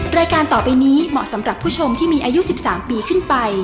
รายการต่อไปนี้เหมาะสำหรับผู้ชมที่มีอายุ๑๓ปีขึ้นไป